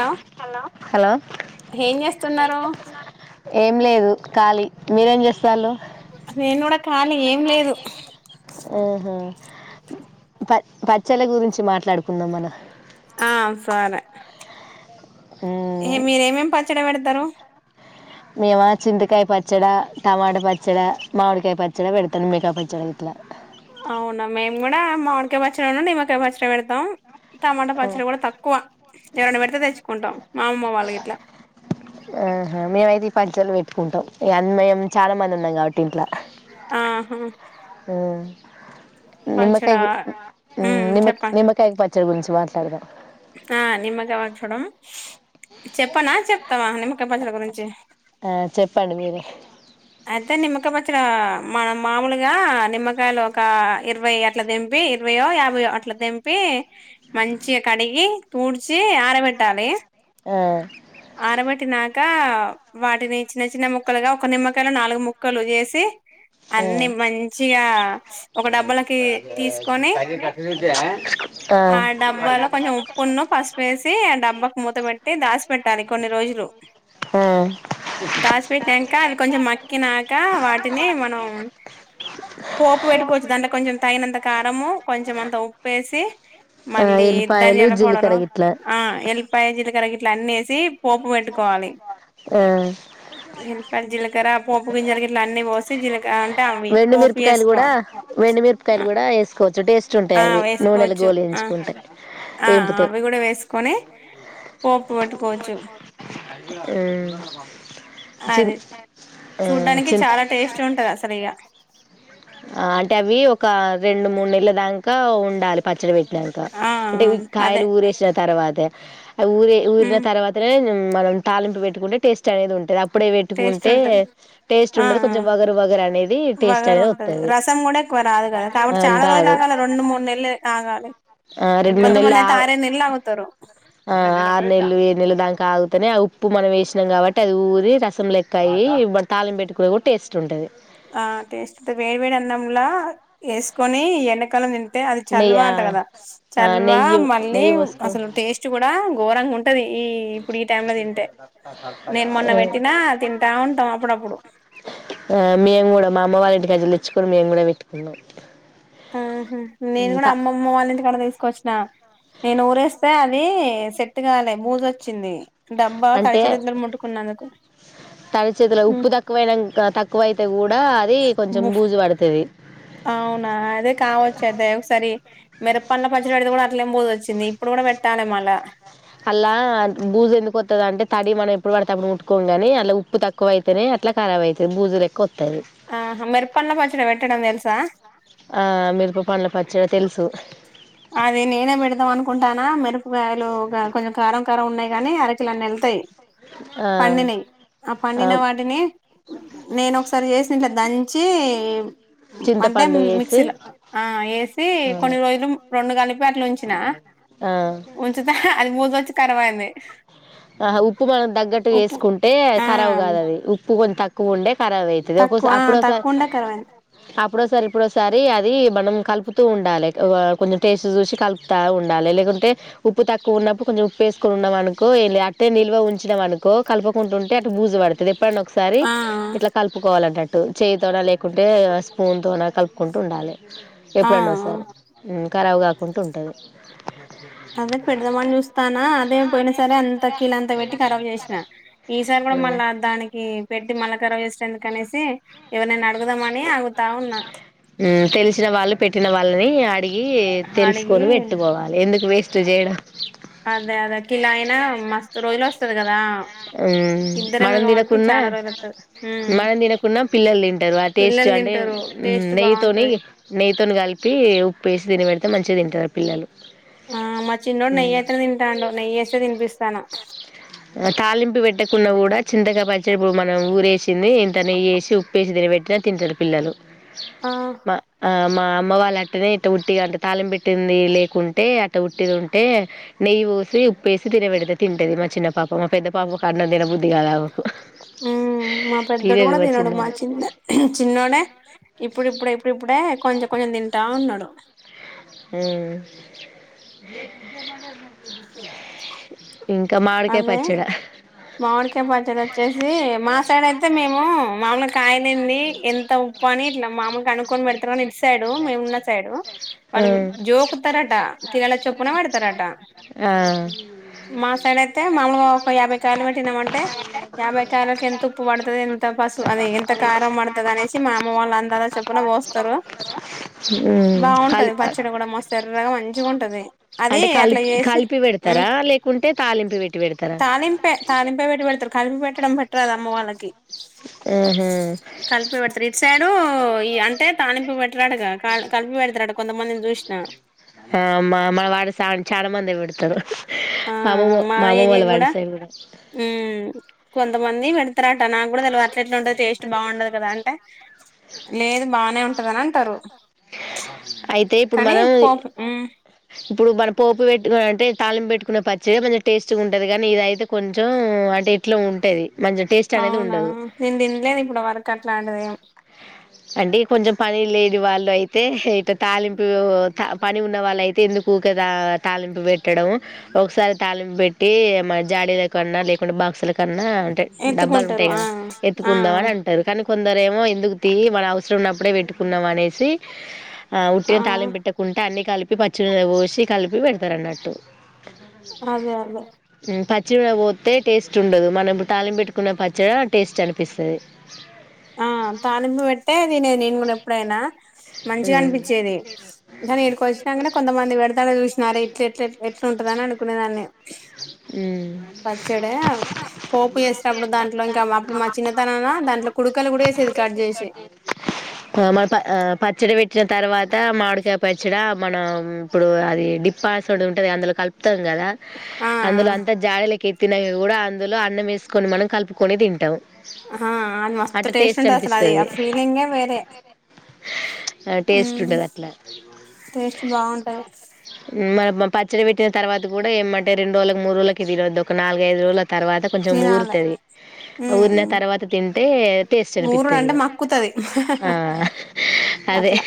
Hello hello ఏం చేస్తున్నారు ఏం లేదు కాలి మీరేం చేస్తున్నారు నేను కూడా కాలి ఏం లేదు ఆహా. ప పచ్చళ్ల గురించి మాట్లాడుకుందాం మనం ఆ సరే ఏ మ్మ్. మీరేం పన్ పచ్చడి పెడతారు. మేమ చింతకాయ పచ్చడ, టమాట పచ్చడ, మామిడికాయ పచ్చడ పెడతాను మికాయ పచ్చడి అయితే, అవునా మేము కూడా మామిడికాయ పచ్చడి అన్నా, నిమ్మకాయ పచ్చడి పెడతాం. టమాటా పచ్చడి కూడా తక్కువ ఎవరైనా పెడితే తెచ్చుకుంటాం మామమ్మ వాళ్ళగి ట్లా ఆహా మేమైతే ఈ పంచలు పెట్టుకుంటాం. ఈ అన్మయం చాలా మంది ఉన్నాం కాబట్టి ఇంట్లో. ఆహా నిమ్మకాయ్ పచ్చడా ఉమ్ నిమ్ కాయ చెప్పండి నిమ్మకాయ పచ్చడి చా ఆ నిమ్మకాయ వ చూడం చెప్పనా చెప్తావా నిమ్మకాయ పచ్చడి గురించి ఆ, చెప్పండి మీరే అయితే నిమ్మకాయ పచ్చడి మనం మామూలుగా, నిమ్మకాయలు ఒక ఇరవై అట్లా తెంపి, ఇరవయో యాభైయో అట్లా తెంపి, మంచిగా కడిగి ఊడ్చి ఆర పెట్టాలి ఆ, ఆరపెటి నాక్ కా వాటిని చిన్న చిన్న ముక్కలుగా ఒక నిమ్మ క్కను నాలుగు ముక్కలు చేసి ఆ, అన్ని మంచిగా ఒక డబ్బలకి తీసుకొని, ఆ డబ్బాలో కొంచెం ఉప్పున్న ఫస్ట్ వేసి, ఆ డబ్బా మూత పెట్టి దాసి పెట్టాలి కొన్ని రోజులు హ దాచిపెట్టినాక అవి కొంచెం మక్కి నాకా వాటిని మనం పోపు పెట్టుకోవచ్చు. దాంట్లో కొంచెం తగినంత కారము కొంచం అంత ఉప్పు వేసి, ఆ, మళ్ళీ ఎల్లిపాయలు ధనియాల పౌడరు జీలకర్ర ఇట్లా ఆ ఎల్పాయ జీలకరగి ఇట్ల అన్నేసి పోపు పెట్టుకోవాలి ఆ జిలక పోపుగింజలు గిట్లా అన్నీ పోస్ సిజీల్కన్ వెండిమిరపకాయలు కూడా వెండిమిరపకాయలు కూడా వేసుకోవ టేస్ట్ కూర్చుంటాయి. ఆ అవి నూనెలో వేసుకోవచ్చు ఆ గోలించుకుంటాయి. ఆ ఎంపుతాయి. అవి కూడా వేసుకొని పోపు పెట్ కోవచ్చు. ఊ అది చూడ్డానికి చి చాలా టేస్ట్ గ ఉంటది అసలు ఇగ ఆ అంటే అవి ఒక రెండు మూడు నెలల దాకా ఉండాలి పచ్చడి పెట్టి ంక ఆ అంటే కాయలు అదే ఊరేసిన తర్వాతే ఆ ఊరిే ఊరిన ఉమ్ తర్వాతనే మనం తాలింపు పెట్టుకుంటే టేట్ అనేది ఉంటుది అప్పుడే టేస్ట్ పెట్టుకుంటే ఉంటది టేస్ట్ ఆ ఉండదు ఆ కొంచెం వగరు వగరు అనేది టేస్ట్ వగరు అనేది ఉంటది రసం కూడా ఎక్కువ రాదు కదా కాకుంటే చాలా రోజులు రాదు ఆగాలి రెండు మూడు నెల్లె ఆగాలి రెండు మూడు కొంతమంది అయితే నెలలు ఆరేడు నెల్లు ఆగుతారు ఆ ఆరు నెలలు ఏడు నెలలు దాకా ఆగుతనే ఆ ఉప్పు మనం వేసినం కాబట్టి అది ఊరి రసం లెక్కయి తాలింపు పెట్టుకునే కూడా టేస్ట్ ఉంటది ఆ టేస్ట్ వేడి వేడి అన్నంలా వేసుకొని ఎంకాలం తిన్ టే అది నెయ్య చలవా అట కదా ఆ చల్వా నెయ్యి మళ్ళీ నెయ్యి అసలు టేస్ట్ కూడా గోరంగా ఉంటే నేను మొన్న పెట్టినా తింటా ఉంటాం అప్పుడప్పుడు మేం కూడా మా అమ్మ వాళ్ళ ఇంటి కానుంచెల్లి తెచ్చుకొని మేము కూడా పెట్టుకున్నాం ఆహ నేను త కూడా అమ్మమ్మ వాళ్ళ ఇంటి కడ తీసుకొచ్చిన నేను ఊరేస్తే అది సెట్ కాలే బూజొచింది అంటే తడి చేతిలో ఉప్పు తక్కువయినంకా తక్కువయితే కూడా అది కొంచెం బూజు పడుతది అవునా అదే కావచ్చు అయితే ఒకసారి మిరపండ్ల పచ్చడ పెడితే కూడా అట్లేనే బూజొచింది చింది ఇప్పుడు కూడా పెట్టాలే మళ్ల అల్లా భూజు ఎందుకొత్తది అంటే తడి మనం ఎప్పుడు పడితే అప్పుడు ముట్టుకోంగని అల్ల ఉప్పు తక్కువ అయితనే అట్లా కరాబయితది భూజు లెక్కవంత్ ఆహా మెరుపండ్ల పచ్చడ పెట్టడం తెలుసా ఆ మీరుప పండ్ల పచ్చడ తెలుసు అది నేనే పెడదాం అనుకుంటానా మిరపకాయలు కొంచెం కారం కారం ఉన్నాయి కాని అర కిలన్ని ళ్తాయి ఆ పండినయ్ ఆ పండిన వాటిని నేను ఒకసారి చేసి ఇట్లా దంచి అంటే చింతపండు వేసి మిక్సీలో వేసి కొన్ని ఆ రోజులు రొండు కలిపి అట్లుంచిన వొచ్చితే అది బూజు వచ్చి క రబైంది ఆ ఉప్పు మనం తగ్గట్టు వేసుకుంటే ఆ కరాబ్ కాదది ఉప్పు కొంచం తక్ క్కువుంటే కరాబ్ అయితది తక్కువ ఒసారి అప్పుడసారి తక్కువ ఉండే కరాబ్ అయింది అప్పుడోసారి ఇప్పుడోసారి అది మనం కల్ ప్ కలుపుతూ ఉండాలి కొంచెం టేస్ట్ చూసి కలుపుతా ఉండాలి లేకుంటే ఉప్పు తక్కువ ఉన్నప్పుడు కొంచెం ఉప్పేసుకొని ఉన్నాం అనుకో అట్టే నిల్వ ఉంచినం అనుకో కలుపకుంటుంటే అటు బూజ పడుతది ఎప్పుడన్న ఒకసారి ఆ ఇట్లా కలుపుకోవాలంటట్టు చేయితోనా లేకుంటే స్పూన్తోన కలుపుకుంటూ ఉండాలి ఆ ఎప్పుడన్నా ఓసారి కరాబు కాకుంట ఉంటది అదే పెడదామని చూస్తానా అదే పోయిన సారే అనచ త కీలంతా పెట్టి కరాబ్ చేసినా ఈసారి కూడా మళ్ళా దానికి పెట్టి మళ్ళ కరాబ్ చేసుడు ఎందుక కనేసి ఊ తెలిసిన వాళ్ళు పెట్టిన వాళ్ళని అడిగి అడిగి తెలుసుకొని పెట్టుకోవాలి ఎందుకు వేస్ స్టు జెయడ నాం మస్తు రోజులు వస్తది కదా ఉమ్ ఇద్దరమే మనం కాబట్టి తినకున్నా చాలా రోజులు వత్తది ఉమ్ మనం తినకున్నా పిల్లలు తింటారు ఆ టేస్ట్ పిల్లలు అంటే తింటారు ఉమ్ టేస్ట్ నెయ్యితోని బాగుంటది నెయ్యితోని కలిపి ఉప్పేసి తినిబెడితే మం మంచిగ పల్లలు ఆ మా చిన్నోడు నెయ్యి అతే తింటాడు నెయ్యి వేసే తినిపిస్తాన ఉప్పు పెట్టకున్న కూడా చింతగా పరిచప్పుడు మనం ఊరేసింది ఇంతనేసి వుప్పేసి తిని పెట్టిన తింటారు పిల్లలు ఆ మా ఆ మా అమ్మ వాళ్ళ అనే ఇ ఉట్టిగా అంత తాళం పెట్టింది లేకుంటే అట్ట ఉట్టిది ఉంటే నెయ్యి పోూసి ఉప్పుేసి తినబెడితే తింటది మా చిన్న పాప మా పెద్ద పాబు అన్నం తినబుద్ హ్మ్ మా పెద్దోడు తినదు కూడ తినడు మా చిన్న చిన్నమే చిన్నోడే ఇప్పుడిప్పుడే ఇప్పుడుప్పుడే కొంచ కొంచం తిన్ టా ఉన్నాడు హ్మ్ మామిడికాయ అదే పచ్చడ మామిడికాయ పచ్చడి వచ్చేసి మా సైడ్ అయితే మేము మామలు కాయనింది ఎంత ఉప్పు అని ఇట్లా మామలు కనుక్కొని పెడతారుని ఇటు సైడు మేమున్న సైడు వాళ్ళు జోకుతారట తీగల చొప్పున పెడతారట ఆ మా సైడ్ అయితే మామలుగా ఒక యాభై కాయలు పెట్టినామంటే యాభై కాయకి ఎంత ఉప్పు పడుతుది ఎంత పసుపు అది ఎంత కారం పడుతుది అనేసి మా అమ్మ వాళ్ళు అందలా చెప్పున పోస్తారు కలి బాగుంటది ప చాడ కూడా ఎర్రగా చిగుంటది అంటే కాలిప్ కాలిపి హ్మ్ పెడతారా తాలింపే తాలింపే పెట్టి పెడతారు కలిపి పెట్టడం పెట్టరుద అమ్మ వాళ్ళకి ఆహా కలిపి పెడతారు ఇటసైడు ఈ అంటే తాలింపు పెట్టరాడుగా కలిపి పెడతాడు కొంతమందిని చూ ఆ మా మవాడు చ చాలా మంది కొడతరు ఆ మామమ మా ఏరియా మామమూల కూడా వాడుసద మంది వెడుతురా కదా అంటే లేదు బాగానే ఉంటదని అంటారు అయితే ఇప్పుడు కానీ మనం పోపు ఉమ్ ఇప్పుడు మనం పోపు పెట్టుకు అంటే తాళం పెట్టు కున్న పచ్చిగా కొంచం తెస్తుగుంటది కానీ ఇదైతే టె కొంచం అంటే ఇట్ల ఉంటేది మంచిం టేస్ట్ అనేది ఉం అవునా నేను తినలేదు ఇప్పుడు వరకు అట్లాంటిది ఏం. అంటే కొంచ పనీ లే వాళ్ళు అయితే ఇటు తాలింపు పని ఉన్న వాళ్ళయితే ఎందుకు ఊకే తాలింపు పెట్టడం ఒకసారి తాలింపు పెట్టి జాడీన్నా లేకు బాక్ కన్నా ఉంటాయి డబ్బాలు ఎత్తుకుంటారు ఉంటాయి ఆ కదా ఆ ఎత్తుకుందాం అని అంటారు కానీ కొందరు ఏమో ఎందుకు తి మన అవసరం ఉన్నప్పుడే పెట్టుకున్నాం అనేసి ఆ ఉట్టిని తాళం పెట్టుకుంటా అన్ని కలి ప్పి పచ్చి ఉసి కాడలు పెడతారు అన్నట్టు అదే అదే చ్చి మిరపకాయ్ పోతే టేస్ట్ ఉండదు మనం తాలింపు పెట్టుకున్న పచ్చ టేస్ట్ అనిపిస్తాది ఆ తాలింపు పెట్టే తినేది నేను కూడా ఎప్పుడైనా మంచిగా అనిపించేది కానీ ఇడకి వచ్చినాక కొంతమంది విడతాడ చూసినార ఇట్ల ఎట్లా ఎట్లా ఉంటదని అనుకునే దాన్ని పచ్చడే పోపు చేసేటప్పుడు దాంట్లో ఇంకా మా అప్పుడు మా చిన్న తనంలో దాంట్లో కుక్కర్ లో కూడా వేసేది కట్ చేసి ప మా ప ఆ పచ్చడి పెట్టిన తర్వాతా మామిడికాయ పచ్చడా మనం ఇప్పుడు అది డిస్పస్ ఒకటి ఉంటది అందులో కలుపుతాం కదా ఆ అందులో అంత జారులోకి తిన్నక కూడా అందులో అన్నం వేసుకొని మనం కలుపుకొని తింటాం ఆ అది మస్తు అట్లా టేస్ట్ ఉంటది అసలు అది అనిపిస్తది ఆ ఫీలింగే వేరే టేస్ట్ ఉమ్ ఉంటది అట్లా టేస్ట్ బాగుంటది ఉమ్, మన మన పచ్చడి పెట్టిన తర్వాత కూడా ఏమం రెండు రోజులకు మూడు రోజులకి తినొద్దు ఒక నాలుగైదు రోజులకి తర్వాత కొంచెం తినాలి ఊరుతాది ఆ ఊరిన ఉమ్ తర్వాత తిం టే టేస్ట్ ఊరుడు అనిపితది అంటే మక్కుతది ఆ అదే అట్లా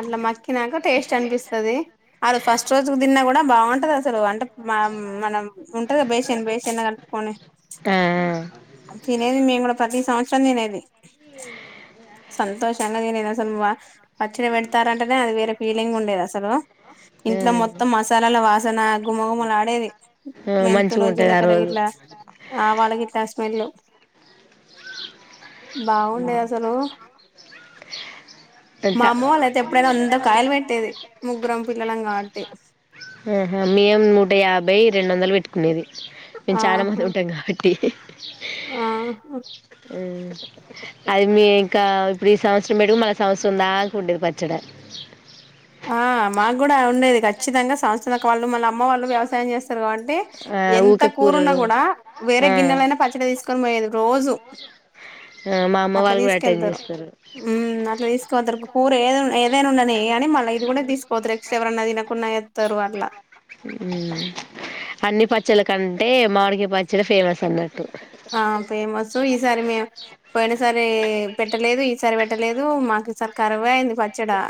అట్లా మకి తిన్నక టేస్ట్ అనిపిస్తాది అ రోజు ఫస్ట్ రోజు తిన్నా కూడా బాగుంటది అసలు అంటే మం మనం ఉంటదా బేషన్ బేషన్లు కట్టుకని ఆ తినేది మేము కూడా ప్రతి సంవత్సరం తినేది ఇ సంతోషంగా నేనేను అసలు మా పచ్చడి పెడతారంటేనే అది వేరే ఫీలింగ్ ఉండేది అసలు ఇంట్లో ఆ మొత్తం మసాలాల వాసన గుమ్మగుమ్మలు ఆడేది ఆ మంచిగా మెంతులు ఉంటది ఆ జీలకర్ర రోజు ఇట్లా ఆవాలకి ఇట్లా హాలో బాగుండే అసలు మా ఇటా అమ్మ వాళ్ళ అయితే ఎప్పుడైనా అందరు కాయలు పెట్టేది ముగ్గురం పిల్లలం కాబట్టి ఆహా మేము నూట యాభై రెండు వందలు పెట్టు కునేది మేము చాలా మంది ఆహా ఉంటాం కాబట్టి ఆహా అది మీ ఇంకా ఇప్పుడు ఈ సంవత్సరం పెటుకు మళ్ళ సంవత్సరం దాక ఉండేది పచ్చడి ఆ మా కూడా అ ఉండేది ఖచ్చితంగా సంస్థ వాళ్ళు మళ్ అమ్మ వాళ్ళు వ్యవసాయం చేస్తారు కాబట్టి ఆ ఎంత ఊకే కూరున్నా కూరలు కూడా వేరే ఆ గిన్నెలైనా పచ్చడి తీసుకొని పోయేది రోజు మా అమ్మ అట్లా వాళ్ళు కూడా అటెండ్ తీసుకెళ్తారు చేస్తారు మ్మ్ అట్లా తీసుకవోతరు, కూర ఏద ఏదైనా ఉండని కాని మల్ ఇది కూడా తీసుకోతరు ఎక్స్‌స్ట్రా ఎవరన్నా తినకుం ఉన్నాయె మ్మ్ అన్ని ప చ్చల కంటే మామిడికాయ పచ్చడి ఫేమస్ అన్న ఆ ఫేమస్ ఈసారి మేము పోయిన సారి పెట్టలేది సరి వెట్టలేదు మాకిసారి కరువైంది పచ్చడా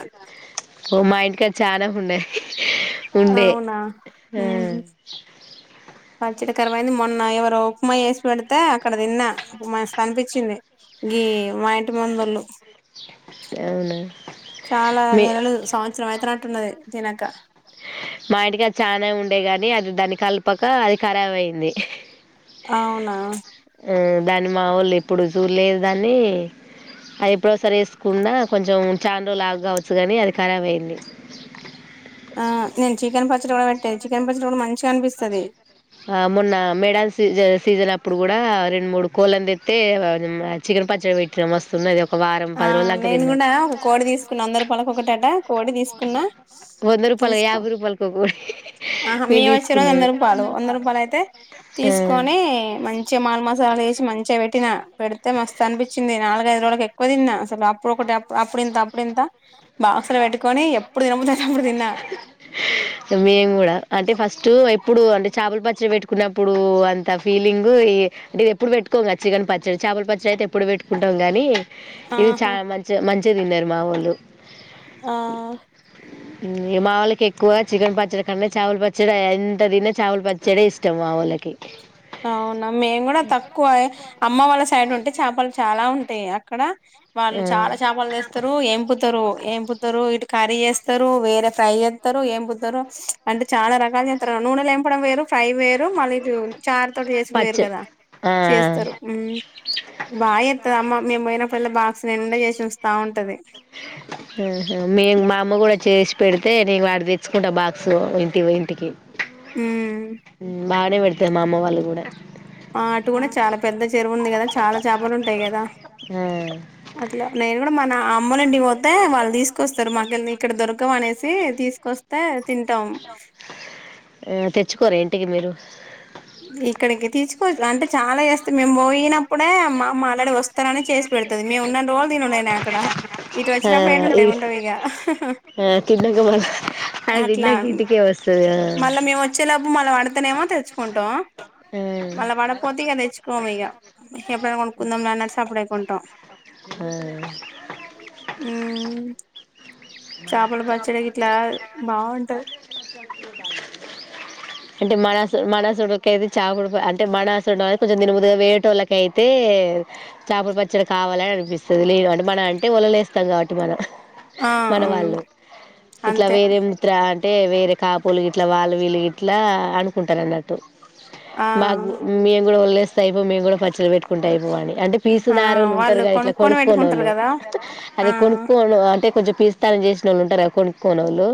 ఓ మా ఇంటికాడ చాలా ఉన్నాయి ఉండే ఆ ఉహు పచ్చడి కరవు అయింది, మొన్న ఎవరొ ఉప్మా వేసి పెడితే అక్కడ తిన్నా మస్తు అనిపిచ్చింది గీ మా ఇంటి ముందొళ్ళు. అవునా చాలా మీ నెలలు సంవత్సరం అయితన్నట్టు ఉన్నది తినక మా ఇంటికి అది చాలనానే ఉండే గాని అది దాని కలపక అది ఖరాబ్ అయింది అవునా ఆ దాన్ని మా వాళ్ళు ఎప్పుడు జూల్లేదు దాన్ని అది ఎప్పుడోసారి వేసుకున్నా కొంచెం చాండ్రోలాగ్ కావచ్చు కానీ అది ఖరాబ్ అయింది. ఆ నే చికన్ ప వెట్ట చికె ప మ ఆ మొన్న మేడజ సీజన్ అప్పుడు కూడా రెండు మూడు కోళ్ళనిత్తే చికెన్ పచ్చడి పెట్టిన వస్తున్న అది ఒక వారం ఆ పది రోజుల దాంక నేను తిన్నాం కూడా ఒక కోడి తీసుకున్నా అందరు పలక ఒకటట కోడి తీసుకున్నా వంద రూపాయలు తీసుకో యాభై రూపాయలకు ఒక కోడి ఆహా మీ మేము వచ్చ తీసుకున్నది వంద రూపాలైతే ఆ తీసుకొని మంచిగా మాలు మసాలాలు ఏసి మంచిగా పెట్టినా. పెడితే మస్తు అనిపించింది నాలుగైదు రోజులకు ఎక్కువ తిన్నా. అసలు అప్పుడొకటి అప్ అప్పుడింత అప్పుడింత బాక్స్ లో పెట్టుకొని ఎప్పుడు తినబుద్దైతప్పుడు తిన్నా మేము కూడా అంటే ఫస్ట్ ఎప్పుడు అంటే చాపల పచ్చడ పెట్టుకున్నప్పుడు అంత ఫీలింగ్ ఈ ఇది ఎప్పుడు పెట్టుకోంగ చికన్ పచ్చడ చాపల పచ్చడి అయితే ఎప్పుడు పెట్ కుంటాం గానీ ఇది ఆహా చాలా మంచిగ మంచి చితిన్నరు మావోళ్ళు ఆ మావోళ్ళకెక్కువ చికెన్ పచ్చడ కన్నా చాపల ప చ్చడ ఎంత తిన్నా చాపల పచ్చడే ఇష్టం మా వోళ్ళకి అవునా మేము కూడా తక్కువ అమ్మ వాళ్ళ సైడ్ ఉంట్ అంటే చాపలు చాలా ఉంటాయి అక్కడ వాళ్ళు ఆ చాలా చేపలు తెస్తారు ఏంపు తారు ఏం పుతారు ఇటు కర్రీ చేస్తారు వేరే ఫ్రై చేతారు ఏం పుతారు అంటే చాలా రకాలు నూనెలేంపడం వేరు ఫ్రై వేరు మళ్ళిటూ తోటి చేసుడు వేరు పచ్చడి కదా ఆ చేస్తారు ఉమ్ బాగా చేత్తది అమ్మ మేము పోయినప్పుడల్ల బాక్స్ నిండా చేసుంచుతా ఉంటది డితే నీను వాడి తెచ్చుకుంటా బాక్సు ఇంటిపోయ్ ఇంటికి ఉమ్ ఉ బాగానే పెడతారు మా అమ్మ వాళ్ళు కూడా ఆ అటు కూడా చాలా పెద్ద చెరువు ఉంది కదా చాలా చాపలు ఉంటాయి కదా ఆ అట్లా నేను మన అమ్ అమ్మోలింటికి పోతే వాళ్ళు తీసుకొస్తారు మాకెళ్ళి ఇకడ దొరకవనేసి ఈ తీస్కొస్తే ఏ తెచ్చుకోరా ఇంటికి మీరు ఇక్కడికి తీసుకోవచ్ రా అంటే చాలా చేస్తాన్ మేము పోయినప్పుడే అమ్మ మ్మ ఆల్రెడే వస్తననే చేస్ పెడతది. మేమ్ ఉన్నన్ రోల్ తినునేనాయ్ అక్కడ. ఇటు ఆ వచ్చినప్పుడు ఈ ఏడుంటాయి ఉండవిగా. ఆ తిన్నాక మళ్ళ అది అట్లా తిన్నాక ఇంటికే వస్తది ఆ మళ్ళ మేం వచ్చేలోపు మల్ల పడత్ తెనేవో తెచ్ కుంటాం. ఆ మళ్ళ పడపోతే ఇగ తెచ్చుకోము ఇగ. ఎప్పుడైనా కొనుకుందాం లే అన్నట్టు సప్పుజేకుంటాం. ఆ ఉమ్ చేపల పచ్చడిగిట్లా బాగుంటది. అంటే మనాసు మనాసుడుకైతే చాకుడు అంటే మనాసుడం అంటే కొంచెం తినబుద్ వేరేటోళ్ళకైతే చాపల పచ్చడ కావాలని అనిపిస్తది లేదు అంటే మన అంటే ఒలలేస్తాం కాబట్టి మనం ఆ మన వాళ్ళు ఇట్లా అంతే వేరే ముత్రా అ అంటే వేరే కాపోల్లు గిట్లా వాళ్ళు వీళ్ళు గిట్ల్ ట్లా అనుకుంటారన్నట్టు ఆ మాగు మియం గుడ ఒల్లేస్ సైపో మేము కూడా పచ్చడ పెట్టుకుంటయిపోవనీ అంటే పీసు ఆ నారోళ్ళుంటారు వాళ్ళు గా ఇట్లా కొనుక్కొని పెట్టుకుంటారు కొనుక్కోనోళ్ళు కదా ఆ అదే కొనుక్కోను అంటే కొంచెం పీస్తనం చేసినోళ్ళుంటరు గా కొనుక్కోనోళ్ళు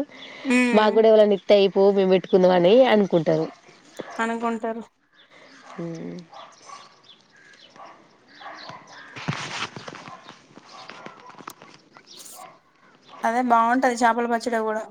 ఉమ్ మాగూడ ఎవలన్నిత్తై పో మేము పెట్టుకుందుమని అనుకుంటారు అనుకుంటారు ఈ అదే బాగుంటది చేపల పచ్చడి కూడా